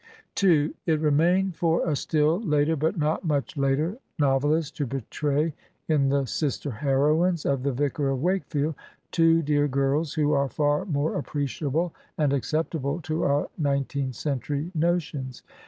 n It remained for a still later, but not much later, nov elist to portray in the sister heroines of "The Vicar of Wakefield," two dear girls who are far more appreciable and acceptable to our nineteenth century notions.